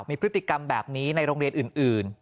มีพฤติกรรมแบบนี้ในโรงเรียนอื่น